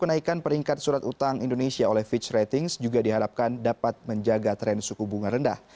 kenaikan peringkat surat utang indonesia oleh fitch ratings juga diharapkan dapat menjaga tren suku bunga rendah